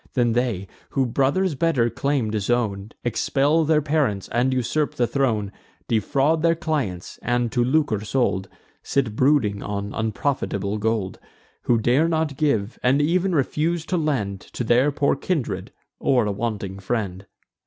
Then they, who brothers' better claim disown, Expel their parents, and usurp the throne; Defraud their clients, and, to lucre sold, Sit brooding on unprofitable gold; Who dare not give, and ev'n refuse to lend To their poor kindred, or a wanting friend.